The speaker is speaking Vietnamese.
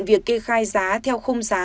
việc kê khai giá theo khung giá